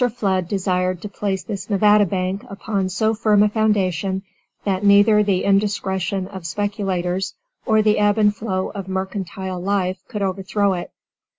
Flood desired to place this Nevada Bank upon so firm a foundation that neither the indiscretion of speculators or the ebb and flow of mercantile life could overthrow it.